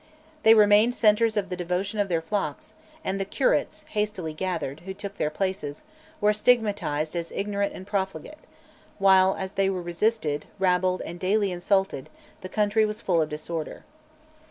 They remained centres of the devotion of their flocks, and the "curates," hastily gathered, who took their places, were stigmatised as ignorant and profligate, while, as they were resisted, rabbled, and daily insulted, the country was full of disorder.